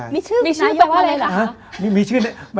มีชื่อต่อมาเลยหรือคะมีชื่อนายกคนนอกขออภัย